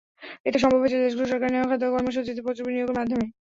এটা সম্ভব হয়েছে দেশগুলোর সরকারের নেওয়া খাদ্য কর্মসূচিতে প্রচুর বিনিয়োগের মাধ্যমে।